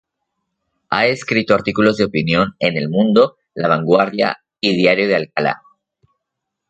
Ha escrito artículos de opinión en El Mundo, La Vanguardia y Diario de Alcalá.